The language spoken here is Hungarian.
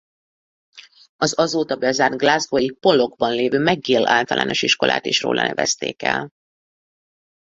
Az azóta bezárt glasgow-i Pollokban lévő McGill Általános Iskolát is róla nevezték el.